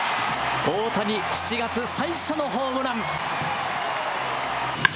大谷、７月最初のホームラン。